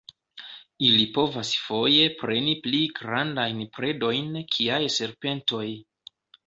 Ili povas foje preni pli grandajn predojn kiaj serpentoj.